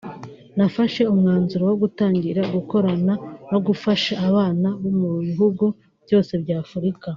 nafashe umwanzuro wo gutangira gukorana no gufasha abana bo mu bihugu byose bya Afurika